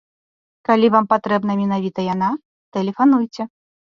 Калі вам патрэбна менавіта яна, тэлефануйце!